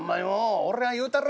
俺が言うたるわ。